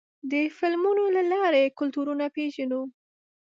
د فلمونو له لارې کلتورونه پېژنو.